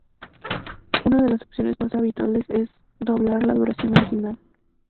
Una de las opciones más habituales es doblar la duración original.